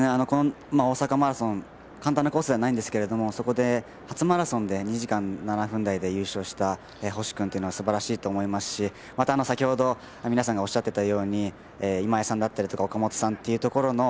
大阪マラソン簡単なコースではないんですけどそこで初マラソンで２時間７分台で優勝した星君はすばらしいと思いますし先ほど皆さんがおっしゃっていたように今井さんや岡本さん。